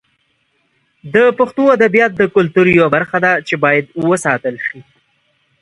د پښتو ادبیات د کلتور یوه برخه ده چې باید وساتل شي.